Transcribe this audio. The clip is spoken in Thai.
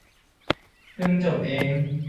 เพิ่งจบเอง